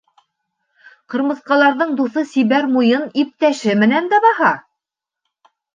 Ҡырмыҫҡаларҙың дуҫы Сибәр Муйын иптәше менән дә баһа!